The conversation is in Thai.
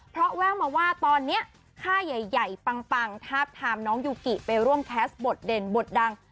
เพราะแววมาว่าตอนนี้ค่ายใหญ่ปังทาบทามน้องยูกิไปร่วมแคสต์บทเด่นบทดัง